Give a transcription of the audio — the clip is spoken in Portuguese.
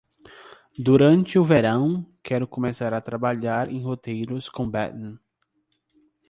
Durante o verão, quero começar a trabalhar em roteiros com Bethan.